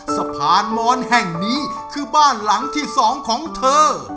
สะพานมอนแห่งนี้คือบ้านหลังที่สองของเธอ